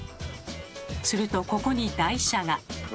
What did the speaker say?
するとここに台車が。